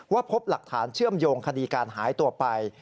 พบหลักฐานเชื่อมโยงคดีการหายตัวไป